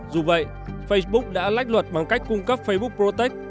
dù vậy facebook đã lách luật bằng cách cung cấp facebook